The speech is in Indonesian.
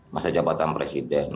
masa jabatan presiden